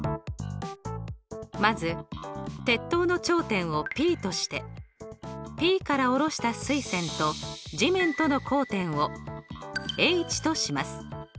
まず鉄塔の頂点をＰとしてＰから下ろした垂線と地面との交点をＨとします。